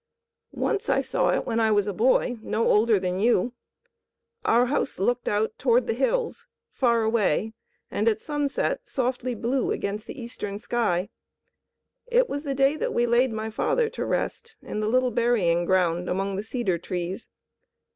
"Once I saw it when I was a boy, no older than you. Our house looked out toward the hills, far away and at sunset softly blue against the eastern sky. It was the day that we laid my father to rest in the little burying ground among the cedar trees.